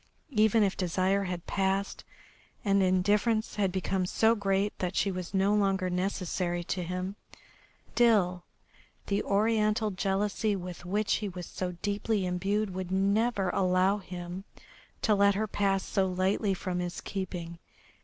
Even if desire had passed and indifference had become so great that she was no longer necessary to him, still the Oriental jealousy with which he was so deeply imbued would never allow him to let her pass so lightly from his keeping.